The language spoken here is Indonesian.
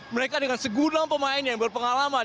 mereka dengan segudang pemain yang berpengalaman